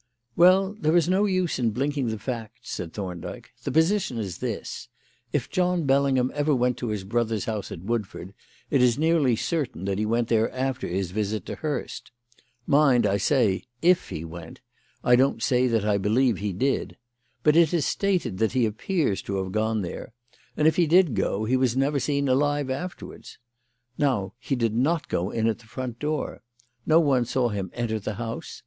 "Well, there is no use in blinking the facts," said Thorndyke. "The position is this: If John Bellingham ever went to his brother's house at Woodford, it is nearly certain that he went there after his visit to Hurst. Mind, I say 'if he went'; I don't say that I believe he did. But it is stated that he appears to have gone there; and if he did go, he was never seen alive afterwards. Now, he did not go in at the front door. No one saw him enter the house.